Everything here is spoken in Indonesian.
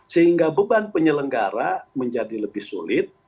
sehingga beban penyelenggara menjadi lebih sulit